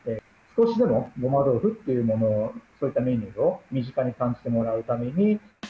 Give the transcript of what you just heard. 少しでもごま豆腐っていうものを、そういったメニューを身近に感じてもらうために。